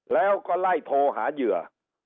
แล้วก็ไล่โทรหาเหยื่อ